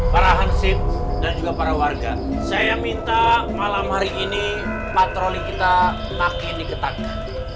para hansip dan juga para warga saya minta malam hari ini patroli kita makin diketatkan